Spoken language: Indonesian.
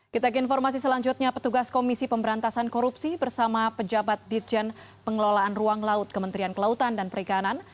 kita ke informasi selanjutnya petugas komisi pemberantasan korupsi bersama pejabat ditjen pengelolaan ruang laut kementerian kelautan dan perikanan